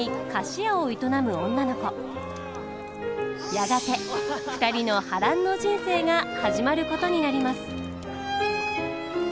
やがて２人の波乱の人生が始まることになります。